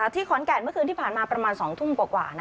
ที่ขอนแก่นเมื่อคืนที่ผ่านมาประมาณ๒ทุ่มกว่า